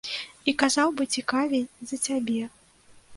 І казаў бы цікавей за цябе.